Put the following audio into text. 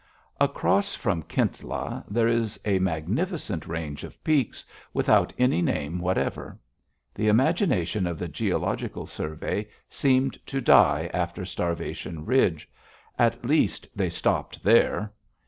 Across from Kintla, there is a magnificent range of peaks without any name whatever. The imagination of the Geological Survey seemed to die after Starvation Ridge; at least, they stopped there.